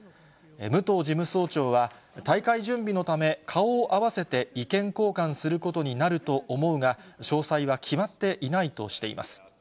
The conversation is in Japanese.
武藤事務総長は、大会準備のため、顔を合わせて意見交換することになると思うが、詳細は決まっていないとしています。